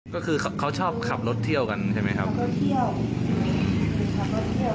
ก็คือเขาชอบขับรถเที่ยวกันใช่ไหมครับ